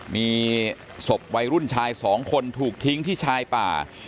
มีศพวัยรุ่นชายสองคนถูกทิ้งที่ชายป่า